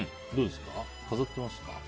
飾っていますか？